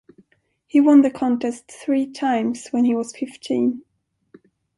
He won the contest three times when he was fifteen.